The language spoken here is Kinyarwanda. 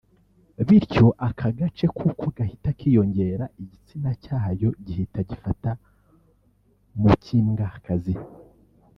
bityo aka gace kuko gahita kiyongera igitsina cyayo gihita gifata mu cy’Imbwakazi